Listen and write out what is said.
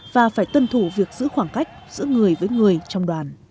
họ phải tân thủ việc giữ khoảng cách giữ người với người trong đoàn